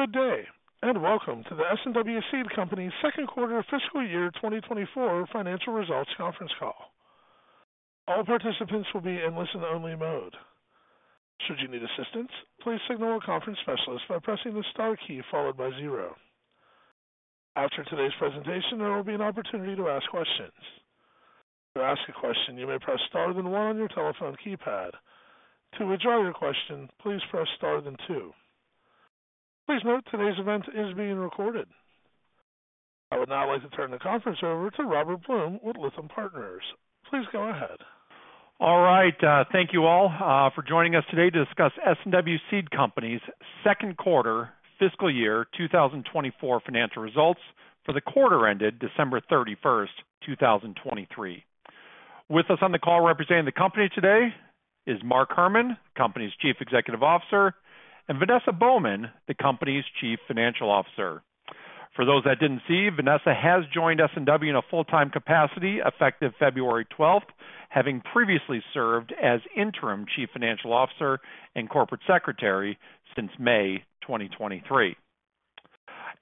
Good day and welcome to the S&W Seed Company second quarter fiscal year 2024 financial results conference call. All participants will be in listen-only mode. Should you need assistance, please signal a conference specialist by pressing the star key followed by 0. After today's presentation, there will be an opportunity to ask questions. To ask a question, you may press star then 1 on your telephone keypad. To withdraw your question, please press star then 2. Please note today's event is being recorded. I would now like to turn the conference over to Robert Blum with Lytham Partners. Please go ahead. All right. Thank you all for joining us today to discuss S&W Seed Company's second quarter fiscal year 2024 financial results for the quarter ended December 31st, 2023. With us on the call representing the company today is Mark Herrmann, the company's Chief Executive Officer, and Vanessa Baughman, the company's Chief Financial Officer. For those that didn't see, Vanessa has joined S&W in a full-time capacity effective February 12th, having previously served as Interim Chief Financial Officer and corporate secretary since May 2023.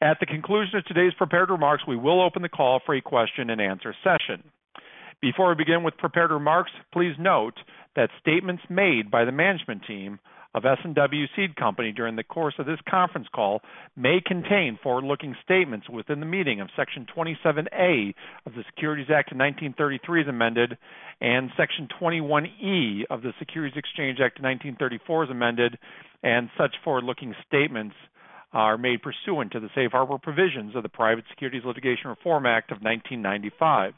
At the conclusion of today's prepared remarks, we will open the call for a question and answer session. Before we begin with prepared remarks, please note that statements made by the management team of S&W Seed Company during the course of this conference call may contain forward-looking statements within the meaning of Section 27A of the Securities Act of 1933 as amended and Section 21E of the Securities Exchange Act of 1934 as amended, and such forward-looking statements are made pursuant to the Safe Harbor provisions of the Private Securities Litigation Reform Act of 1995.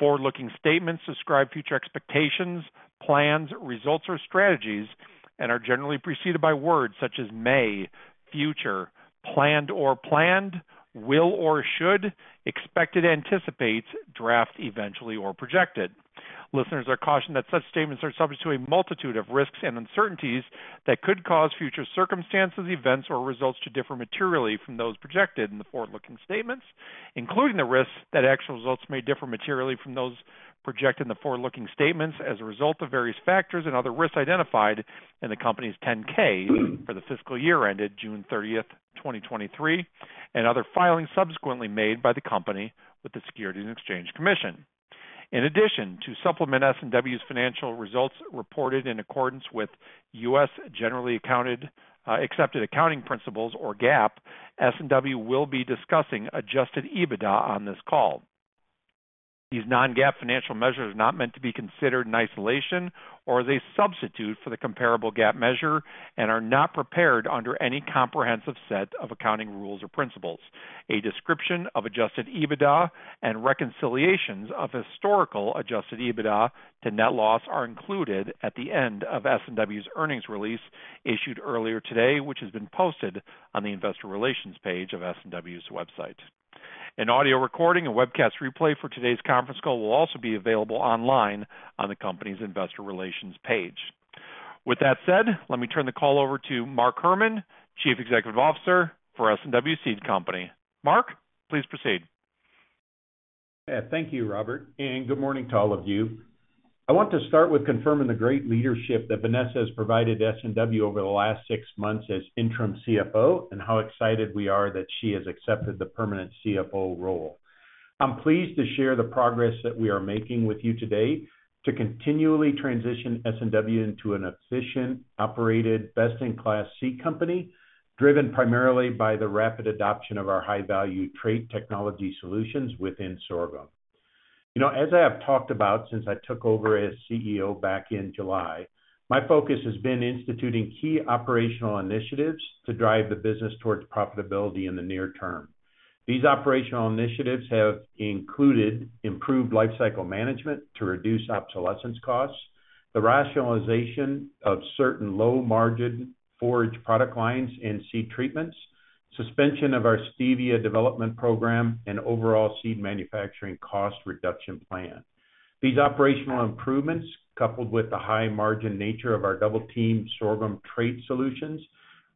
Forward-looking statements describe future expectations, plans, results, or strategies and are generally preceded by words such as may, future, planned or planned, will or should, expected/anticipates, draft eventually or projected. Listeners are cautioned that such statements are subject to a multitude of risks and uncertainties that could cause future circumstances, events, or results to differ materially from those projected in the forward-looking statements, including the risks that actual results may differ materially from those projected in the forward-looking statements as a result of various factors and other risks identified in the company's 10-K for the fiscal year ended June 30th, 2023, and other filings subsequently made by the company with the Securities and Exchange Commission. In addition, to supplement S&W's financial results reported in accordance with U.S. Generally Accepted Accounting Principles or GAAP, S&W will be discussing Adjusted EBITDA on this call. These non-GAAP financial measures are not meant to be considered in isolation or as a substitute for the comparable GAAP measure and are not prepared under any comprehensive set of accounting rules or principles. A description of Adjusted EBITDA and reconciliations of historical Adjusted EBITDA to net loss are included at the end of S&W's earnings release issued earlier today, which has been posted on the investor relations page of S&W's website. An audio recording and webcast replay for today's conference call will also be available online on the company's investor relations page. With that said, let me turn the call over to Mark Herrmann, Chief Executive Officer for S&W Seed Company. Mark, please proceed. Yeah. Thank you, Robert, and good morning to all of you. I want to start with confirming the great leadership that Vanessa has provided to S&W over the last six months as interim CFO and how excited we are that she has accepted the permanent CFO role. I'm pleased to share the progress that we are making with you today to continually transition S&W into an efficient, operated, best-in-class seed company driven primarily by the rapid adoption of our high-value trait technology solutions within sorghum. As I have talked about since I took over as CEO back in July, my focus has been instituting key operational initiatives to drive the business towards profitability in the near term. These operational initiatives have included improved lifecycle management to reduce obsolescence costs, the rationalization of certain low-margin forage product lines and seed treatments, suspension of our Stevia development program, and overall seed manufacturing cost reduction plan. These operational improvements, coupled with the high-margin nature of our Double Team Sorghum trait solutions,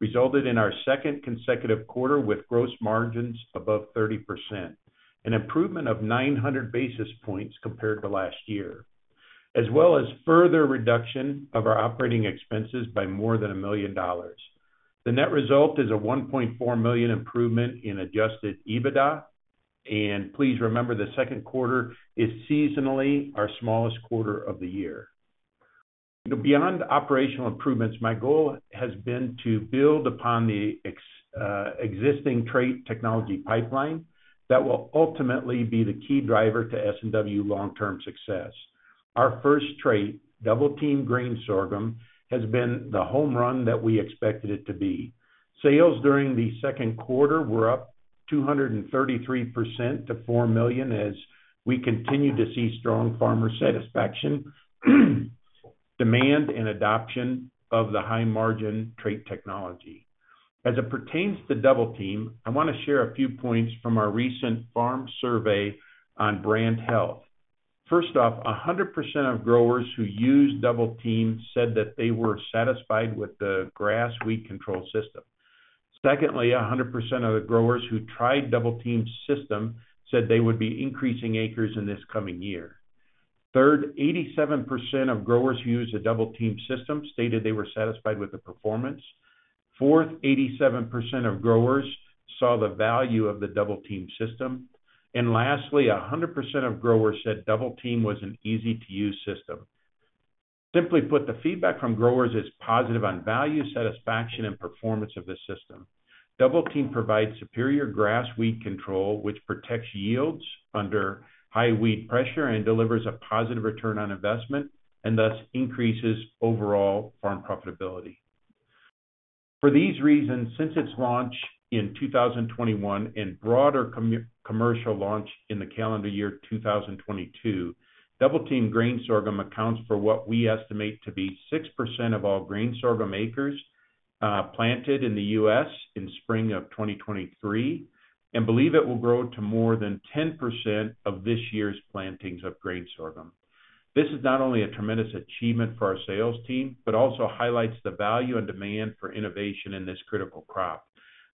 resulted in our second consecutive quarter with gross margins above 30%, an improvement of 900 basis points compared to last year, as well as further reduction of our operating expenses by more than $1 million. The net result is a $1.4 million improvement in Adjusted EBITDA. Please remember, the second quarter is seasonally our smallest quarter of the year. Beyond operational improvements, my goal has been to build upon the existing trait technology pipeline that will ultimately be the key driver to S&W long-term success. Our first trait, Double Team grain sorghum, has been the home run that we expected it to be. Sales during the second quarter were up 233% to $4 million as we continue to see strong farmer satisfaction, demand, and adoption of the high-margin trait technology. As it pertains to Double Team, I want to share a few points from our recent farm survey on brand health. First off, 100% of growers who use Double Team said that they were satisfied with the grass weed control system. Secondly, 100% of the growers who tried Double Team system said they would be increasing acres in this coming year. Third, 87% of growers who use a Double Team system stated they were satisfied with the performance. Fourth, 87% of growers saw the value of the Double Team system. And lastly, 100% of growers said Double Team was an easy-to-use system. Simply put, the feedback from growers is positive on value, satisfaction, and performance of the system. Double Team provides superior grass weed control, which protects yields under high weed pressure and delivers a positive return on investment and thus increases overall farm profitability. For these reasons, since its launch in 2021 and broader commercial launch in the calendar year 2022, Double Team grain sorghum accounts for what we estimate to be 6% of all grain sorghum acres planted in the U.S. in spring of 2023 and believe it will grow to more than 10% of this year's plantings of grain sorghum. This is not only a tremendous achievement for our sales team but also highlights the value and demand for innovation in this critical crop,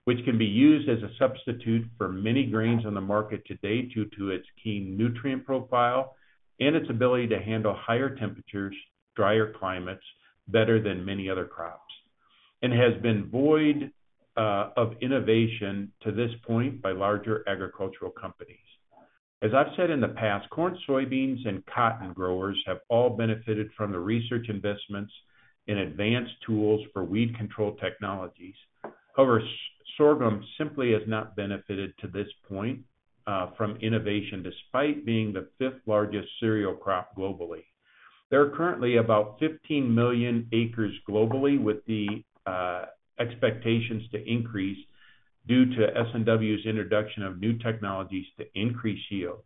which can be used as a substitute for many grains on the market today due to its key nutrient profile and its ability to handle higher temperatures, drier climates better than many other crops and has been void of innovation to this point by larger agricultural companies. As I've said in the past, corn, soybeans, and cotton growers have all benefited from the research investments in advanced tools for weed control technologies. However, sorghum simply has not benefited to this point from innovation despite being the fifth largest cereal crop globally. There are currently about 15 million acres globally with the expectations to increase due to S&W's introduction of new technologies to increase yield.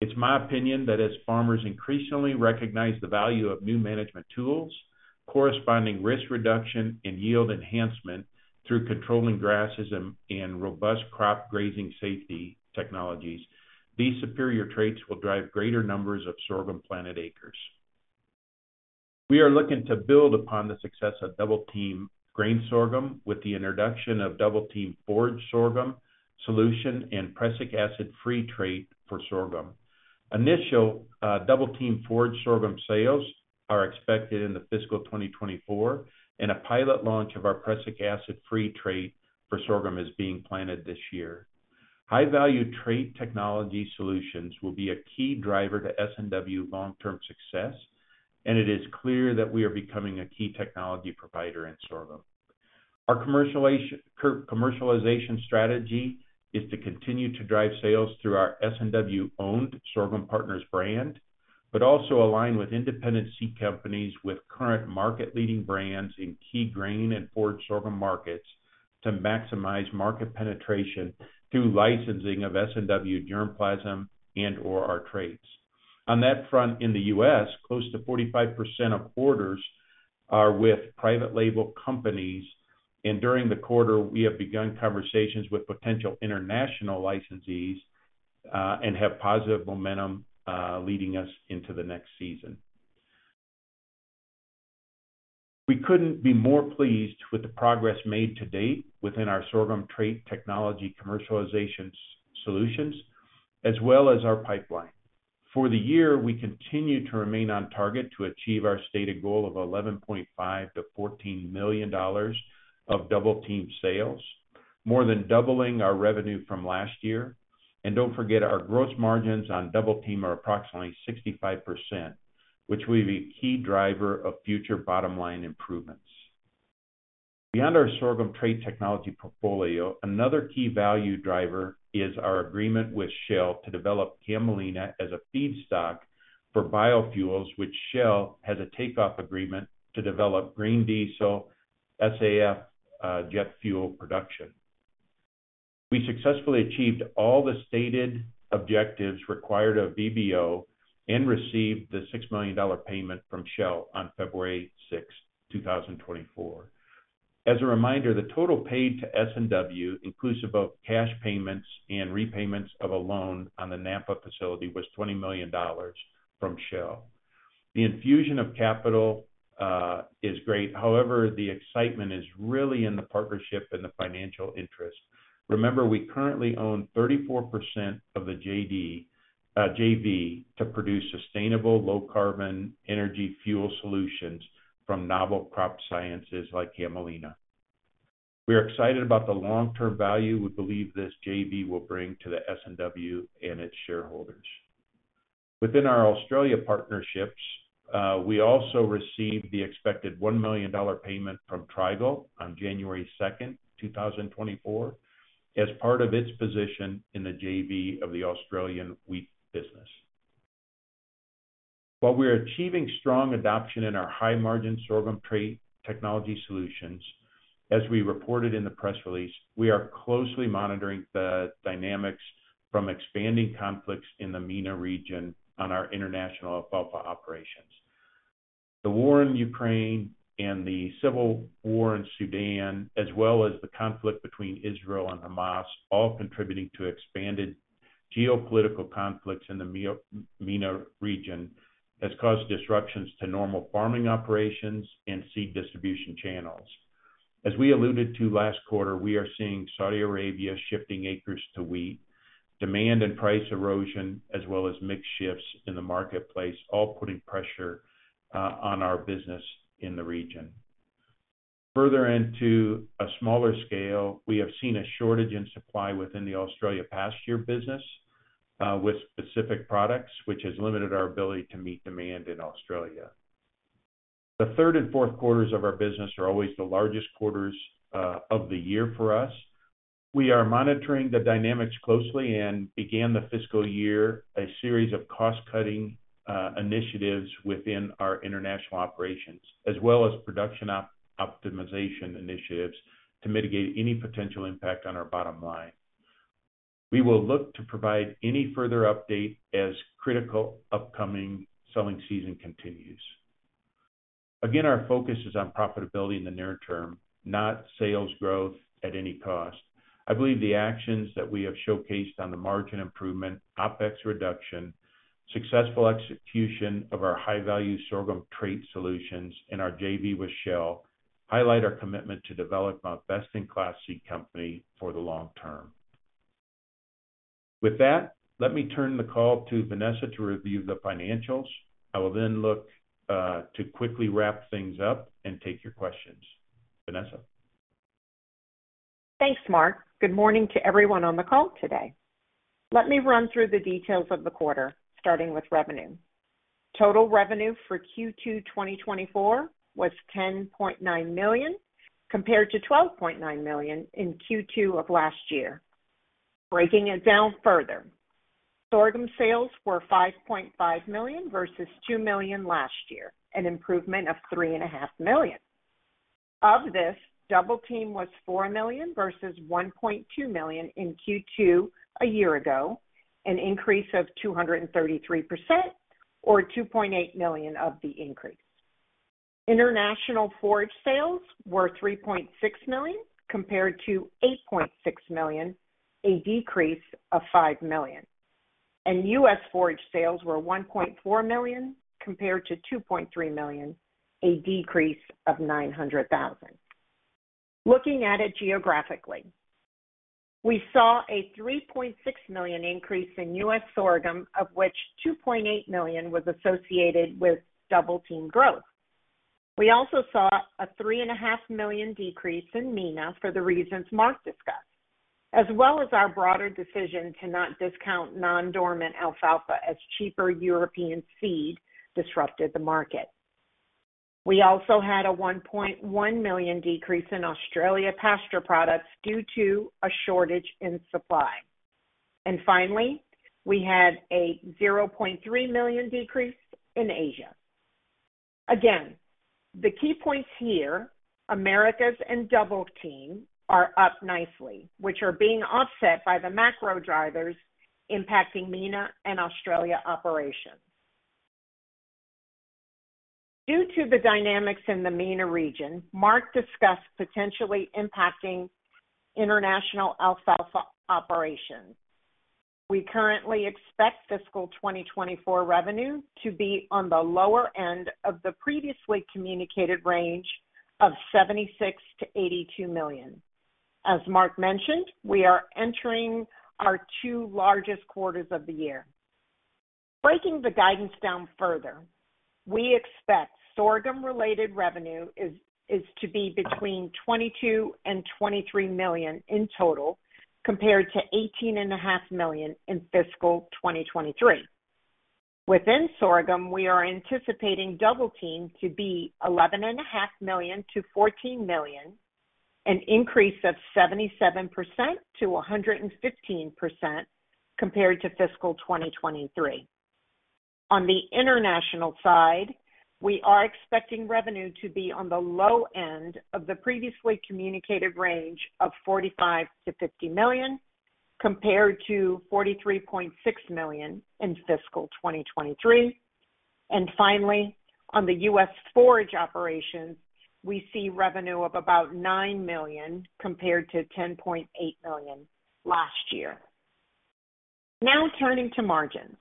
It's my opinion that as farmers increasingly recognize the value of new management tools, corresponding risk reduction, and yield enhancement through controlling grasses and robust crop grazing safety technologies, these superior traits will drive greater numbers of sorghum planted acres. We are looking to build upon the success of Double Team grain sorghum with the introduction of Double Team Forage Sorghum solution and prussic acid-free trait for sorghum. Initial Double Team Forage Sorghum sales are expected in the fiscal 2024, and a pilot launch of our prussic acid-free trait for sorghum is being planted this year. High-value trait technology solutions will be a key driver to S&W long-term success, and it is clear that we are becoming a key technology provider in sorghum. Our commercialization strategy is to continue to drive sales through our S&W-owned Sorghum Partners brand but also align with independent seed companies with current market-leading brands in key grain and Forage Sorghum markets to maximize market penetration through licensing of S&W germplasm and/or our traits. On that front, in the U.S., close to 45% of orders are with private label companies, and during the quarter, we have begun conversations with potential international licensees and have positive momentum leading us into the next season. We couldn't be more pleased with the progress made to date within our sorghum trade technology commercialization solutions as well as our pipeline. For the year, we continue to remain on target to achieve our stated goal of $11.5-$14 million of Double Team sales, more than doubling our revenue from last year. Don't forget, our gross margins on Double Team are approximately 65%, which will be a key driver of future bottom-line improvements. Beyond our sorghum trait technology portfolio, another key value driver is our agreement with Shell to develop Camelina as a feedstock for biofuels, which Shell has an offtake agreement to develop green diesel SAF jet fuel production. We successfully achieved all the stated objectives required of VBO and received the $6 million payment from Shell on February 6th, 2024. As a reminder, the total paid to S&W, inclusive of cash payments and repayments of a loan on the Nampa facility, was $20 million from Shell. The infusion of capital is great. However, the excitement is really in the partnership and the financial interest. Remember, we currently own 34% of the JV to produce sustainable, low-carbon energy fuel solutions from novel crop sciences like Camelina. We are excited about the long-term value we believe this JV will bring to the S&W and its shareholders. Within our Australia partnerships, we also received the expected $1 million payment from Trigall on January 2nd, 2024, as part of its position in the JV of the Australian wheat business. While we are achieving strong adoption in our high-margin sorghum trait technology solutions, as we reported in the press release, we are closely monitoring the dynamics from expanding conflicts in the MENA region on our international alfalfa operations. The war in Ukraine and the civil war in Sudan, as well as the conflict between Israel and Hamas, all contributing to expanded geopolitical conflicts in the MENA region, has caused disruptions to normal farming operations and seed distribution channels. As we alluded to last quarter, we are seeing Saudi Arabia shifting acres to wheat, demand and price erosion, as well as mixed shifts in the marketplace, all putting pressure on our business in the region. On a smaller scale, we have seen a shortage in supply within the Australia pasture business with specific products, which has limited our ability to meet demand in Australia. The third and fourth quarters of our business are always the largest quarters of the year for us. We are monitoring the dynamics closely and began the fiscal year with a series of cost-cutting initiatives within our international operations, as well as production optimization initiatives to mitigate any potential impact on our bottom line. We will look to provide any further update as the critical upcoming selling season continues. Again, our focus is on profitability in the near term, not sales growth at any cost. I believe the actions that we have showcased on the margin improvement, OPEX reduction, successful execution of our high-value sorghum trade solutions in our JV with Shell highlight our commitment to develop a best-in-class seed company for the long term. With that, let me turn the call to Vanessa to review the financials. I will then look to quickly wrap things up and take your questions. Vanessa. Thanks, Mark. Good morning to everyone on the call today. Let me run through the details of the quarter, starting with revenue. Total revenue for Q2 2024 was $10.9 million compared to $12.9 million in Q2 of last year. Breaking it down further, sorghum sales were $5.5 million versus $2 million last year, an improvement of $3.5 million. Of this, Double Team was $4 million versus $1.2 million in Q2 a year ago, an increase of 233% or $2.8 million of the increase. International forage sales were $3.6 million compared to $8.6 million, a decrease of $5 million. And U.S. forage sales were $1.4 million compared to $2.3 million, a decrease of $900,000. Looking at it geographically, we saw a $3.6 million increase in U.S. sorghum, of which $2.8 million was associated with Double Team growth. We also saw a $3.5 million decrease in MENA for the reasons Mark discussed, as well as our broader decision to not discount non-dormant alfalfa as cheaper European seed disrupted the market. We also had a $1.1 million decrease in Australia pasture products due to a shortage in supply. Finally, we had a $0.3 million decrease in Asia. Again, the key points here, Americas and Double Team, are up nicely, which are being offset by the macro drivers impacting MENA and Australia operations. Due to the dynamics in the MENA region, Mark discussed potentially impacting international alfalfa operations. We currently expect fiscal 2024 revenue to be on the lower end of the previously communicated range of $76 million-$82 million. As Mark mentioned, we are entering our two largest quarters of the year. Breaking the guidance down further, we expect sorghum-related revenue to be between $22 million and $23 million in total compared to $18.5 million in fiscal 2023. Within sorghum, we are anticipating Double Team to be $11.5 million-$14 million, an increase of 77%-115% compared to fiscal 2023. On the international side, we are expecting revenue to be on the low end of the previously communicated range of $45 million-$50 million compared to $43.6 million in fiscal 2023. And finally, on the U.S. forage operations, we see revenue of about $9 million compared to $10.8 million last year. Now turning to margins.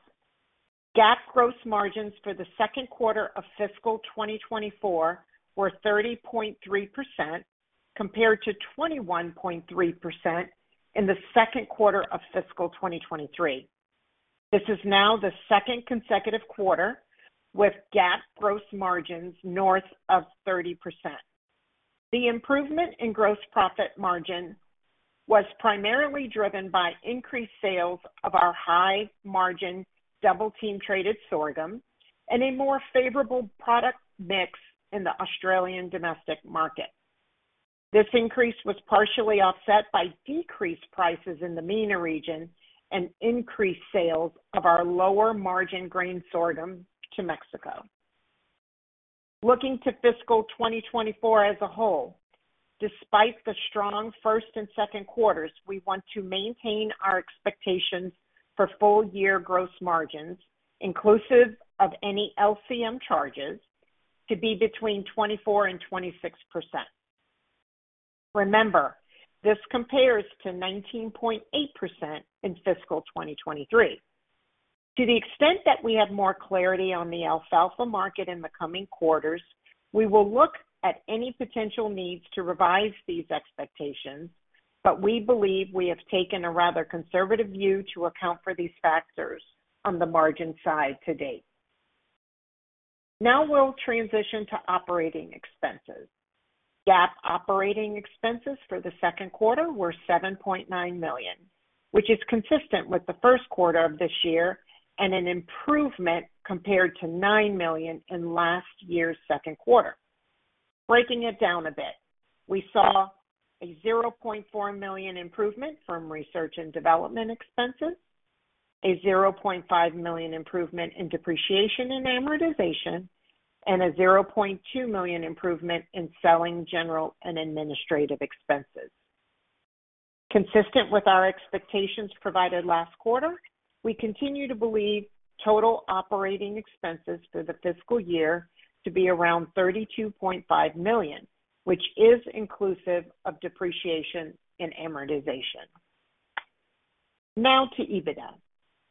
GAAP gross margins for the second quarter of fiscal 2024 were 30.3% compared to 21.3% in the second quarter of fiscal 2023. This is now the second consecutive quarter with GAAP gross margins north of 30%. The improvement in gross profit margin was primarily driven by increased sales of our high-margin Double Team traited sorghum and a more favorable product mix in the Australian domestic market. This increase was partially offset by decreased prices in the MENA region and increased sales of our lower-margin grain sorghum to Mexico. Looking to fiscal 2024 as a whole, despite the strong first and second quarters, we want to maintain our expectations for full-year gross margins, inclusive of any LCM charges, to be between 24% and 26%. Remember, this compares to 19.8% in fiscal 2023. To the extent that we have more clarity on the alfalfa market in the coming quarters, we will look at any potential needs to revise these expectations, but we believe we have taken a rather conservative view to account for these factors on the margin side to date. Now we'll transition to operating expenses. GAAP operating expenses for the second quarter were $7.9 million, which is consistent with the first quarter of this year and an improvement compared to $9 million in last year's second quarter. Breaking it down a bit, we saw a $0.4 million improvement from research and development expenses, a $0.5 million improvement in depreciation and amortization, and a $0.2 million improvement in selling, general and administrative expenses. Consistent with our expectations provided last quarter, we continue to believe total operating expenses for the fiscal year to be around $32.5 million, which is inclusive of depreciation and amortization. Now to EBITDA.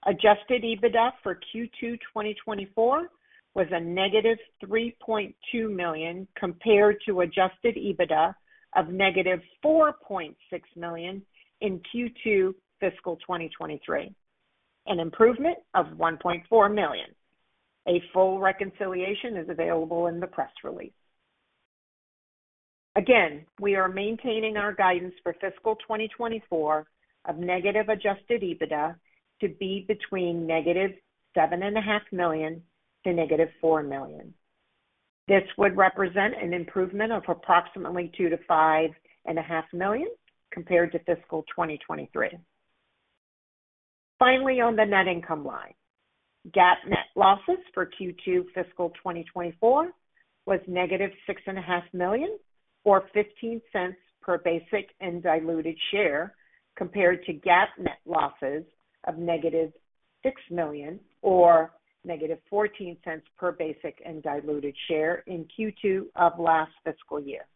Adjusted EBITDA for Q2 2024 was a -$3.2 million compared to adjusted EBITDA of -$4.6 million in Q2 fiscal 2023, an improvement of $1.4 million. A full reconciliation is available in the press release. Again, we are maintaining our guidance for fiscal 2024 of negative Adjusted EBITDA to be between -$7.5 million to -$4 million. This would represent an improvement of approximately $2 million to $5.5 million compared to fiscal 2023. Finally, on the net income line, GAAP net losses for Q2 fiscal 2024 was -$6.5 million or $0.15 per basic and diluted share compared to GAAP net losses of -$6 million or -$0.14 per basic and diluted share in Q2 of last fiscal year.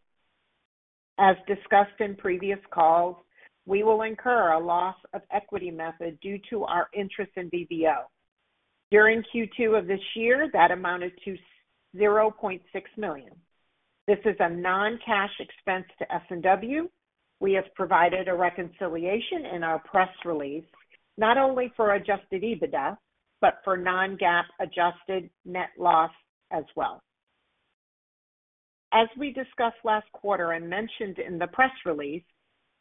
As discussed in previous calls, we will incur a loss of equity method due to our interest in VBO. During Q2 of this year, that amounted to $0.6 million. This is a non-cash expense to S&W. We have provided a reconciliation in our press release not only for Adjusted EBITDA but for non-GAAP adjusted net loss as well. As we discussed last quarter and mentioned in the press release,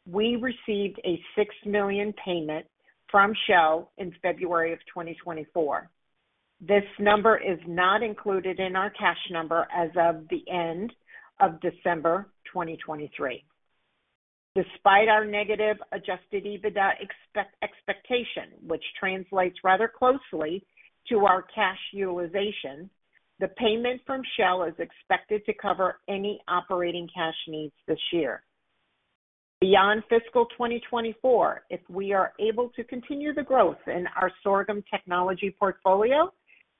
we received a $6 million payment from Shell in February of 2024. This number is not included in our cash number as of the end of December 2023. Despite our negative adjusted EBITDA expectation, which translates rather closely to our cash utilization, the payment from Shell is expected to cover any operating cash needs this year. Beyond fiscal 2024, if we are able to continue the growth in our sorghum technology portfolio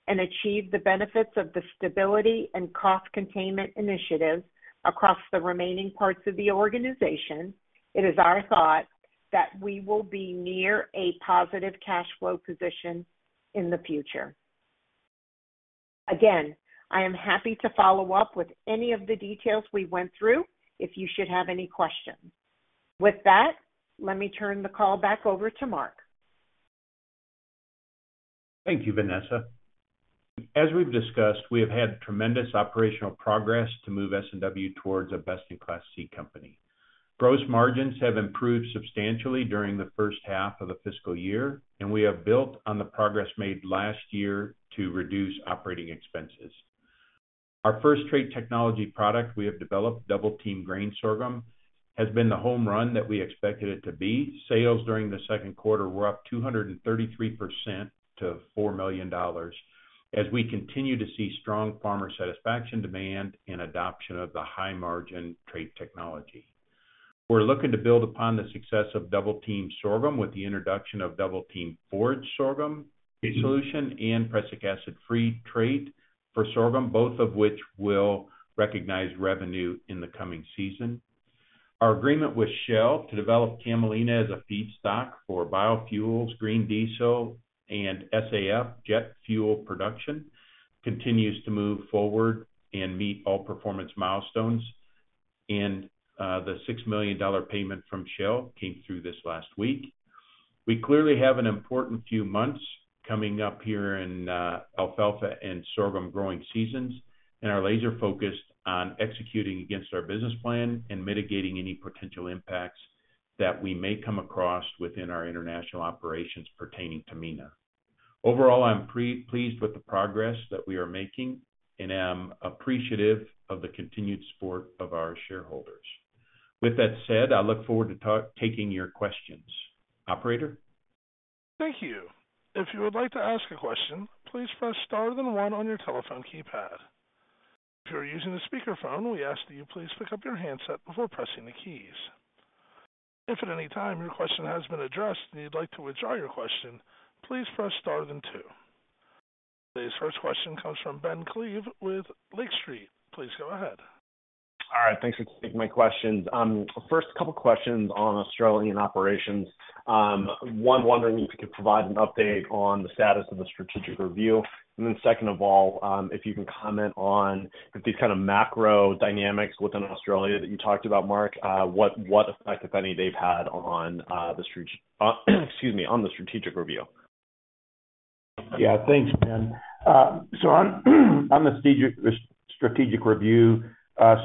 and achieve the benefits of the stability and cost containment initiatives across the remaining parts of the organization, it is our thought that we will be near a positive cash flow position in the future. Again, I am happy to follow up with any of the details we went through if you should have any questions. With that, let me turn the call back over to Mark. Thank you, Vanessa. As we've discussed, we have had tremendous operational progress to move S&W towards a best-in-class seed company. Gross margins have improved substantially during the first half of the fiscal year, and we have built on the progress made last year to reduce operating expenses. Our first trait technology product we have developed, Double Team grain sorghum, has been the home run that we expected it to be. Sales during the second quarter were up 233% to $4 million as we continue to see strong farmer satisfaction, demand, and adoption of the high-margin trait technology. We're looking to build upon the success of Double Team sorghum with the introduction of Double Team Forage Sorghum solution and prussic acid-free trait for sorghum, both of which will recognize revenue in the coming season. Our agreement with Shell to develop Camelina as a feedstock for biofuels, green diesel, and SAF jet fuel production continues to move forward and meet all performance milestones. The $6 million payment from Shell came through this last week. We clearly have an important few months coming up here in alfalfa and sorghum growing seasons, and our laser focused on executing against our business plan and mitigating any potential impacts that we may come across within our international operations pertaining to MENA. Overall, I'm pleased with the progress that we are making and am appreciative of the continued support of our shareholders. With that said, I look forward to taking your questions. Operator? Thank you. If you would like to ask a question, please press star, then one on your telephone keypad. If you are using a speakerphone, we ask that you please pick up your handset before pressing the keys. If at any time your question has been addressed and you'd like to withdraw your question, please press star, then two. Today's first question comes from Ben Klieve with Lake Street. Please go ahead. All right. Thanks for taking my questions. First couple of questions on Australian operations. One, wondering if you could provide an update on the status of the strategic review. And then second of all, if you can comment on these kind of macro dynamics within Australia that you talked about, Mark, what effect, if any, they've had on the strategic review? Yeah. Thanks, Ben. So on the strategic review,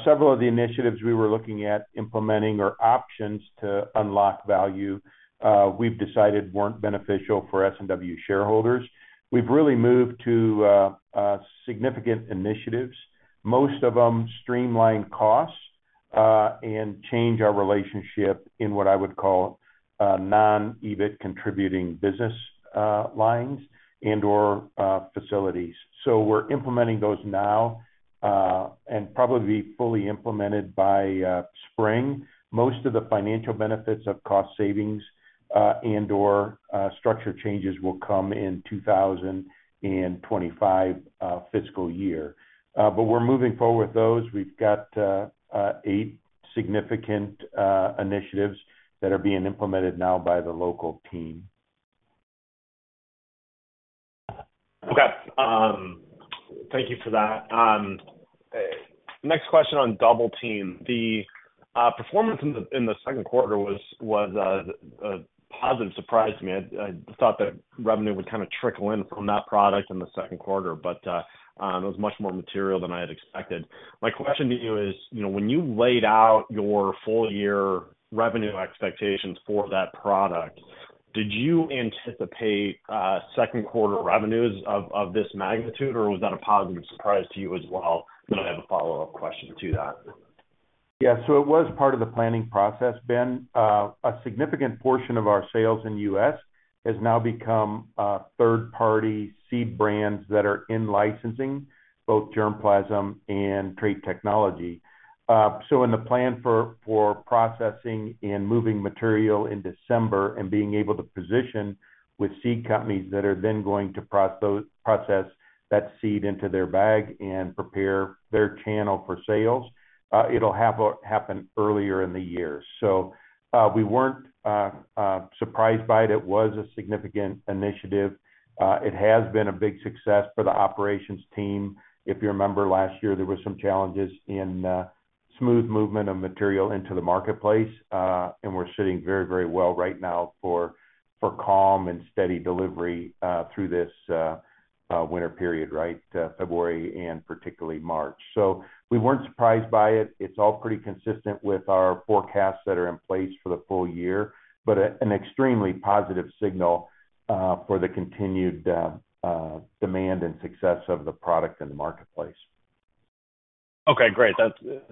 several of the initiatives we were looking at implementing or options to unlock value we've decided weren't beneficial for S&W shareholders. We've really moved to significant initiatives, most of them streamline costs and change our relationship in what I would call non-EBIT contributing business lines and/or facilities. So we're implementing those now and probably be fully implemented by spring. Most of the financial benefits of cost savings and/or structure changes will come in 2025 fiscal year. But we're moving forward with those. We've got eight significant initiatives that are being implemented now by the local team. Okay. Thank you for that. Next question on Double Team. The performance in the second quarter was a positive surprise to me. I thought that revenue would kind of trickle in from that product in the second quarter, but it was much more material than I had expected. My question to you is, when you laid out your full-year revenue expectations for that product, did you anticipate second-quarter revenues of this magnitude, or was that a positive surprise to you as well? Then I have a follow-up question to that. Yeah. So it was part of the planning process, Ben. A significant portion of our sales in the U.S. has now become third-party seed brands that are in licensing, both Germplasm and Trade Technology. So in the plan for processing and moving material in December and being able to position with seed companies that are then going to process that seed into their bag and prepare their channel for sales, it'll happen earlier in the year. So we weren't surprised by it. It was a significant initiative. It has been a big success for the operations team. If you remember, last year, there were some challenges in smooth movement of material into the marketplace, and we're sitting very, very well right now for calm and steady delivery through this winter period, right, February and particularly March. So we weren't surprised by it. It's all pretty consistent with our forecasts that are in place for the full year, but an extremely positive signal for the continued demand and success of the product in the marketplace. Okay. Great.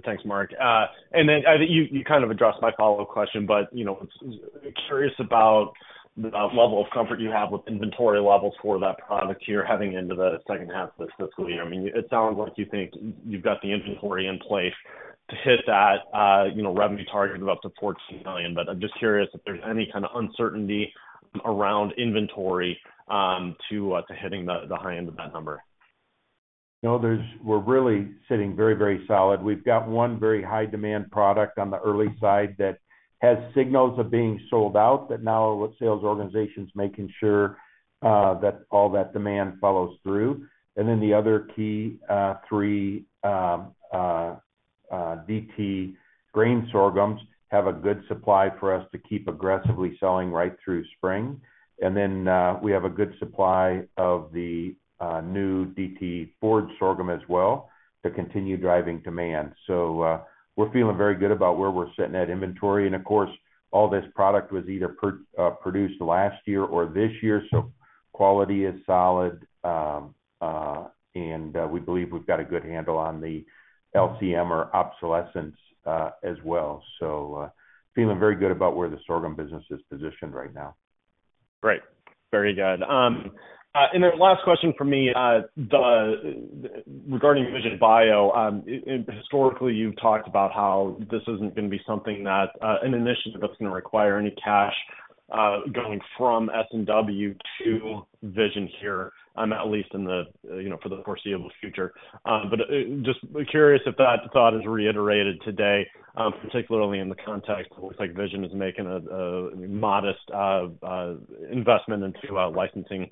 Thanks, Mark. And then I think you kind of addressed my follow-up question, but I'm curious about the level of comfort you have with inventory levels for that product here heading into the second half of this fiscal year. I mean, it sounds like you think you've got the inventory in place to hit that revenue target of up to $14 million, but I'm just curious if there's any kind of uncertainty around inventory to hitting the high end of that number. No, we're really sitting very, very solid. We've got one very high-demand product on the early side that has signals of being sold out that now sales organizations are making sure that all that demand follows through. And then the other key three DT grain sorghums have a good supply for us to keep aggressively selling right through spring. And then we have a good supply of the new DT Forage Sorghum as well to continue driving demand. So we're feeling very good about where we're sitting at inventory. And of course, all this product was either produced last year or this year, so quality is solid. And we believe we've got a good handle on the LCM or obsolescence as well. So feeling very good about where the sorghum business is positioned right now. Great. Very good. And then last question for me regarding VISION Bio. Historically, you've talked about how this isn't going to be an initiative that's going to require any cash going from S&W to Vision here, at least for the foreseeable future. But just curious if that thought is reiterated today, particularly in the context that looks like Vision is making a modest investment into licensing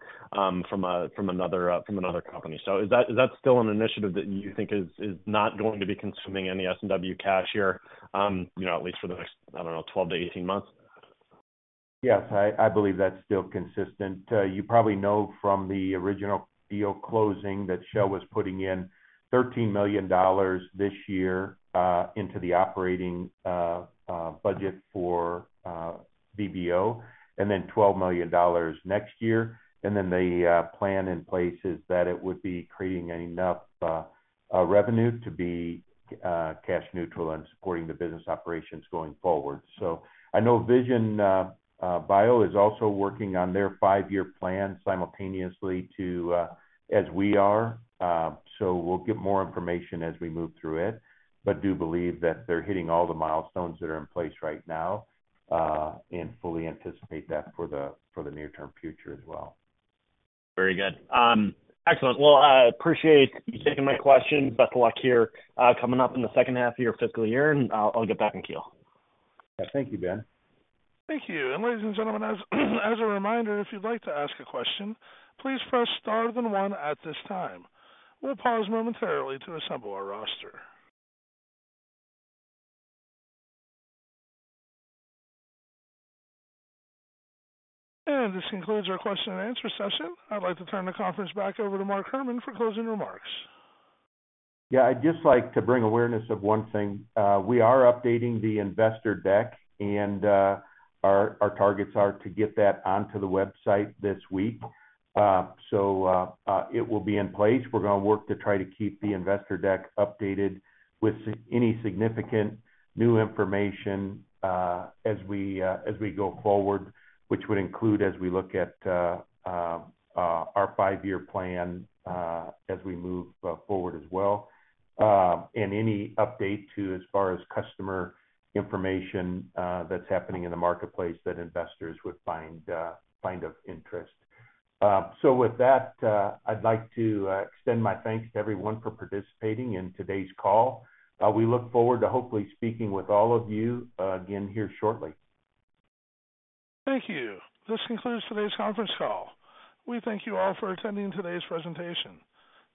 from another company. So is that still an initiative that you think is not going to be consuming any S&W cash here, at least for the next, I don't know, 12-18 months? Yes. I believe that's still consistent. You probably know from the original deal closing that Shell was putting in $13 million this year into the operating budget for VBO and then $12 million next year. And then the plan in place is that it would be creating enough revenue to be cash neutral and supporting the business operations going forward. So I know VISION Bio is also working on their five-year plan simultaneously as we are. So we'll get more information as we move through it, but do believe that they're hitting all the milestones that are in place right now and fully anticipate that for the near-term future as well. Very good. Excellent. Well, I appreciate you taking my questions. Best of luck here coming up in the second half of your fiscal year, and I'll get back in queue. Yeah. Thank you, Ben. Thank you. Ladies and gentlemen, as a reminder, if you'd like to ask a question, please press star then one at this time. We'll pause momentarily to assemble our roster. This concludes our question and answer session. I'd like to turn the conference back over to Mark Herrmann for closing remarks. Yeah. I'd just like to bring awareness of one thing. We are updating the investor deck, and our targets are to get that onto the website this week. So it will be in place. We're going to work to try to keep the investor deck updated with any significant new information as we go forward, which would include as we look at our five-year plan as we move forward as well, and any update as far as customer information that's happening in the marketplace that investors would find of interest. So with that, I'd like to extend my thanks to everyone for participating in today's call. We look forward to hopefully speaking with all of you again here shortly. Thank you. This concludes today's conference call. We thank you all for attending today's presentation.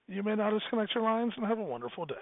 You may now disconnect your lines and have a wonderful day.